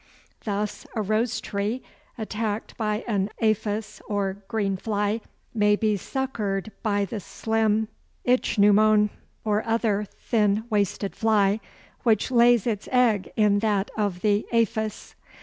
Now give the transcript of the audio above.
Thus a Rose tree attacked by an aphis or green fly may be succoured by the slim ichneumon, or other thin waisted fly, which lays its egg in that of the aphis.